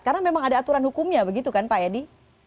karena memang ada aturan hukumnya begitu kan pak yedi